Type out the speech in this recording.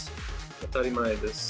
当たり前です。